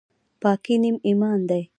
پاکي نیم ایمان دی